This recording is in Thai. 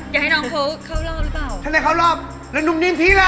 ถ้าให้เขาเข้ารอบแล้วนุ่มนิ่มพี่ล่ะ